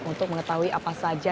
untuk mengetahui apa saja